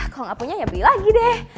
kalau nggak punya ya beli lagi deh